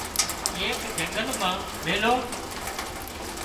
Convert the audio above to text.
ايڪ جنگل مان ميليو